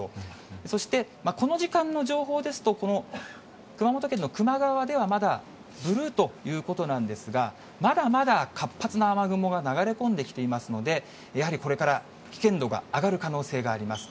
そしてこの時間の情報ですと、この熊本県の球磨川では、まだブルーということなんですが、まだまだ活発な雨雲が流れ込んできていますので、やはりこれから危険度が上がる可能性があります。